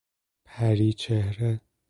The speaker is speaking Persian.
پری چهره